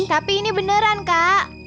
tapi ini beneran kak